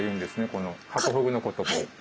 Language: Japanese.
このハコフグのことを。